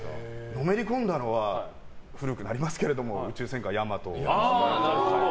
のめりこんだのは古くなりますけれども「宇宙戦艦ヤマト」。